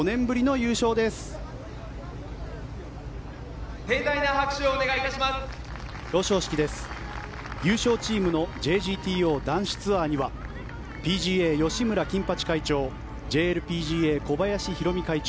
優勝チームのＪＧＴＯ男子ツアーにはＰＧＡ、吉村金八会長ＪＬＰＧＡ、小林浩美会長